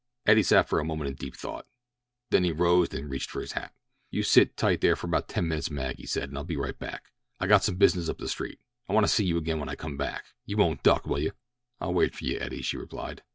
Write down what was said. Eddie sat for a moment deep in thought. Then he rose and reached for his hat. "You sit tight here for about ten minutes, Mag," he said, "and I'll be right back. I got some business up the street. I want to see you again when I come back. You won't duck, will you?" "I'll wait for you, Eddie," she replied.